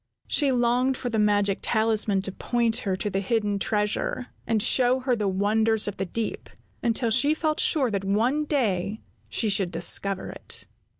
She longed for the magic talisman to point her to the hidden treasure, and show her the wonders of the deep, until she felt sure that one day she should discover it.